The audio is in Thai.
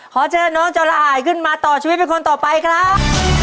ขอเชิญน้องจราอายขึ้นมาต่อชีวิตเป็นคนต่อไปครับ